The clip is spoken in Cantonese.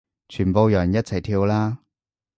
全部人一齊跳啦